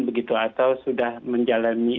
begitu atau sudah menjalani